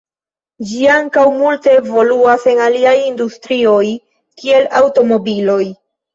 Ĝi ankaŭ multe evoluas en aliaj industrioj kiel aŭtomobiloj.